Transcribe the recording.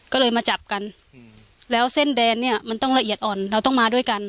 ก็เลยมาจับกันแล้วเส้นแดนเนี่ยมันต้องละเอียดอ่อนเราต้องมาด้วยกัน